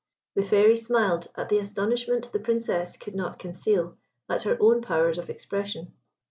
The Fairy smiled at the astonishment the Princess could not conceal at her own powers of expression.